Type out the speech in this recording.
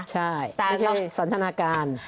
ใช่ไม่ใช่สันทนาการ